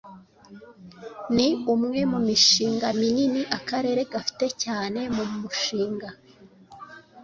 ni umwe mu mishinga minini akarere gafite cyane mu mushinga